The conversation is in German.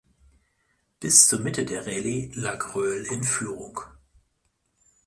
Bis zur Mitte der Rallye lag Röhrl in Führung.